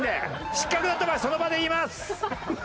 失格だった場合その場で言います。